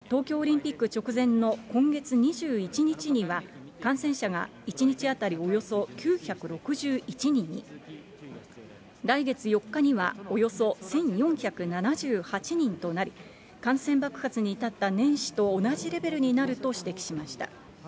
専門家はこの増加比が続くと、東京オリンピック直前の今月２１日には、感染者が１日当たりおよそ９６１人に、来月４日にはおよそ１４７８人となり、感染爆発に至った年始と同じレベルになると指摘しました。